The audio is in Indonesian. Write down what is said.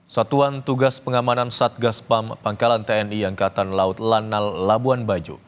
satuan tugas pengamanan satgas pam pangkalan tni angkatan laut lanal labuan bajo